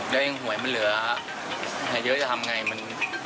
เดี๋ยวเองหวยมันเหลือให้เยอะจะทำไงมัน